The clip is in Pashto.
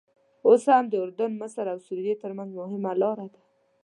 اوس هم د اردن، مصر او سوریې ترمنځ مهمه لاره ده.